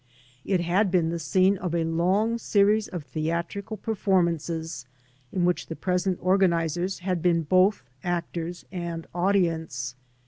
It had been the scene of a long series of theatrical performances in which the present organizers had been both actors and audience.